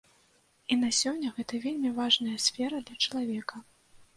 І на сёння гэта вельмі важная сфера для чалавека.